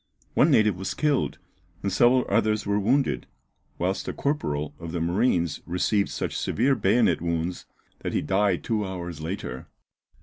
One native was killed and several others were wounded, whilst a corporal of the marines received such severe bayonet wounds, that he died two hours later.